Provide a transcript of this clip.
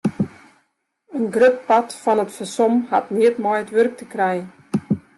In grut part fan it fersom hat neat mei it wurk te krijen.